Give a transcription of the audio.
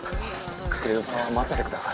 隠戸さんは待っててください。